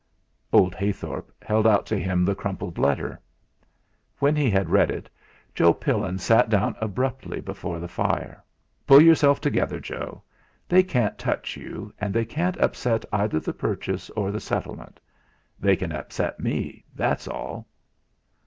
Old Heythorp held out to him the crumpled letter. When he had read it Joe Pillin sat down abruptly before the fire. "Pull yourself together, Joe; they can't touch you, and they can't upset either the purchase or the settlement. They can upset me, that's all."